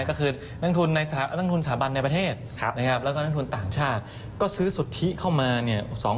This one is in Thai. ก็คือนักทุนในทุนสถาบันในประเทศนะครับแล้วก็นักทุนต่างชาติก็ซื้อสุทธิเข้ามาเนี่ย